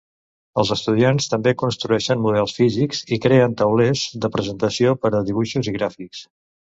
Els estudiants també construeixen models físics i creen taulers de presentació per a dibuixos i gràfics.